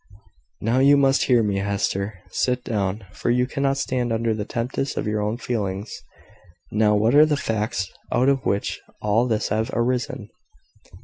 "Now you must hear me, Hester. Sit down; for you cannot stand under the tempest of your own feelings. Now, what are the facts out of which all this has arisen?